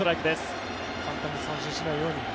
簡単に三振しないように。